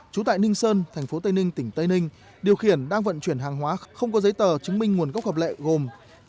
trú tại ninh sơn thành phố tây ninh tỉnh tây ninh điều khiển đang vận chuyển hàng hóa không có giấy tờ chứng minh nguồn gốc hợp lệ gồm